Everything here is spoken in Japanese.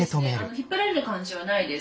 引っ張られる感じはないです。